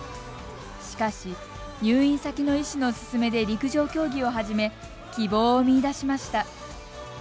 しかし、入院先の医師の勧めで陸上競技を始め希望を見いだしました。